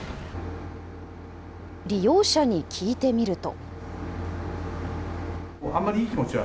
利用者に聞いてみると。